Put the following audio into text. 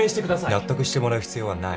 納得してもらう必要はない。